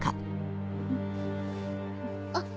あっ。